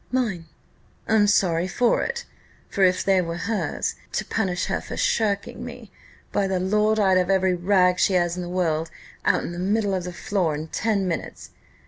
"Mine." "I'm sorry for it; for if they were hers, to punish her for shirking me, by the Lord, I'd have every rag she has in the world out in the middle of the floor in ten minutes!